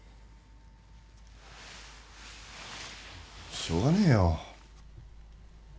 しょうがねえよ